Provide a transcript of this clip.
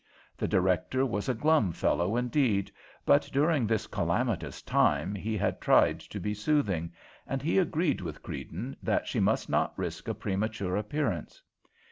The Director was a glum fellow, indeed, but during this calamitous time he had tried to be soothing, and he agreed with Creedon that she must not risk a premature appearance.